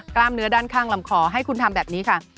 กล้ามเนื้อด้านข้างลำคอให้คุณทำแบบนี้ค่ะ